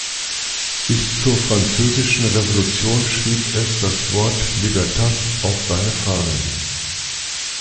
Bis zur Französischen Revolution schrieb es das Wort "Libertas" auf seine Fahnen.